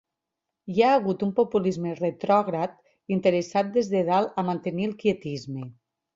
Hi ha hagut un populisme retrògrad, interessat des de dalt, a mantenir el quietisme.